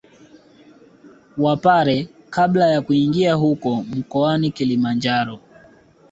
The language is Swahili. Wapare Kabla ya kuingia huko mkoani Kilimanjaro